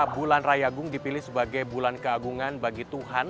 bulan rayagung dipilih sebagai bulan keagungan bagi tuhan